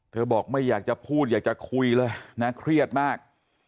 บอกไม่อยากจะพูดอยากจะคุยเลยนะเครียดมาก